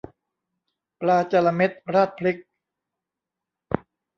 ปลาจะละเม็ดราดพริก